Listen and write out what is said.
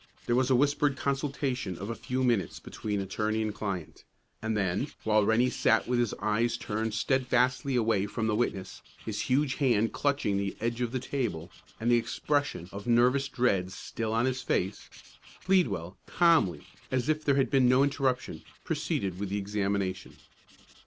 There was a whispered consultation of a few minutes between attorney and client, and then, while Rennie sat with his eyes turned steadfastly away from the witness, his huge hand clutching the edge of the table, and the expression of nervous dread still on his face, Pleadwell, calmly, as if there had been no interruption, proceeded with the examination.